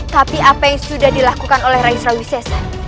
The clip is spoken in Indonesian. tapi apa yang sudah dilakukan oleh raih surawi sesa